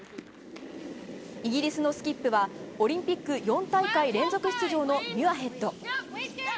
イギリスのスキップはオリンピック４大会連続出場のミュアヘッド。